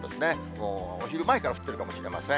もうお昼前から降ってるかもしれません。